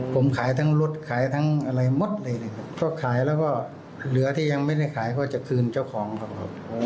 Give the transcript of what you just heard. ผมขายทั้งรถขายทั้งอะไรหมดเลยนะครับก็ขายแล้วก็เหลือที่ยังไม่ได้ขายก็จะคืนเจ้าของครับ